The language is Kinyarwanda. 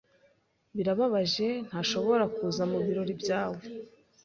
Birababaje ntashobora kuza mubirori byawe.